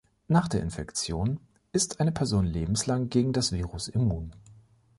Nach der Infektion ist eine Person lebenslang gegen das Virus immun.